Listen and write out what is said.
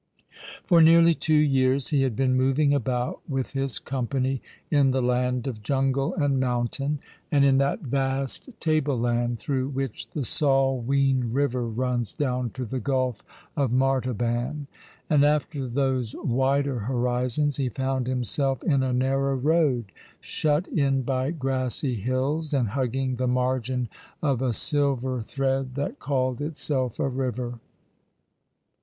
For nearly two years he had been moving about with his company in tlie lan4 of jungle and mountain, t^nd iii '' A Love still burning tipward!' J J that vast table Iancl through which the Salween river runs down to the Gulf of Martaban; and after those wider horizons, he found himself in a narrow road, shut in by grassy hills, and hugging the margin of a silver thread that called itself a river.